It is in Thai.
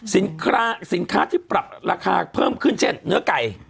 สินค้าที่ปรับราคาเพิ่มขึ้นเช่นเนื้อไก่